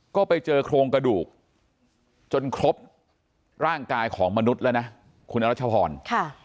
ก็ไปเจอโครงกระดูกจนครบร่างกายของมนุษย์แล้วนะคุณอรัชพร